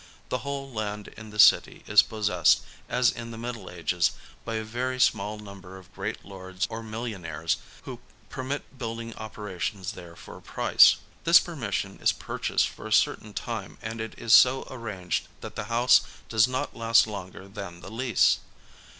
The whole land in the city is possessed, as in the Middle Ages, by a very small number of great lords or miUionaires who per mit building operations there for a price. This permission 54 LONDON is purchased for a certain time, and it is so arranged that the house does not last longer than the lease.